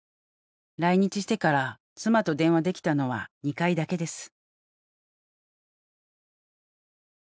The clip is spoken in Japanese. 来日してから妻と電話できたのは２回だけです。